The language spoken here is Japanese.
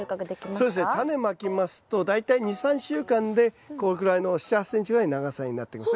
そうですねタネまきますと大体２３週間でこのくらいの７８ｃｍぐらいの長さになってきます。